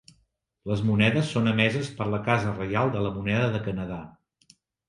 Les monedes són emeses per la Casa Reial de la Moneda de Canadà.